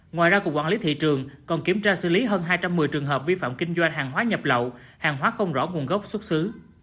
ngoài ra cục quản lý thị trường còn kiểm tra xử lý hơn hai trăm một mươi trường hợp vi phạm kinh doanh hàng hóa nhập lậu hàng hóa không rõ nguồn gốc xuất xứ